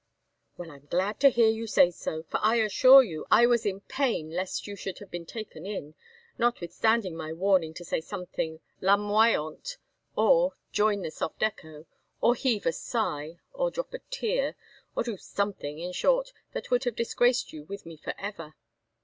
"Well, I'm glad to hear you say so; for I assure you I was in pain lest you should have been taken in, notwithstanding my warning to say something larmoyante or join the soft echo or heave a sigh or drop a tear or do something, in short, that would have disgraced you with me for ever.